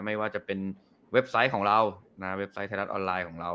ไม่ว่าจะเป็นเว็บไซต์ของเราเว็บไซต์ไทยรัฐออนไลน์ของเรา